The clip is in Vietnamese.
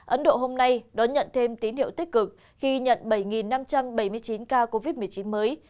ấn độ hôm nay đón nhận thêm tín hiệu tích cực khi nhận bảy năm trăm bảy mươi chín ca covid một mươi chín mới